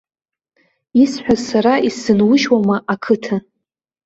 Исҳәаз сара исзынужьуама, ақыҭа?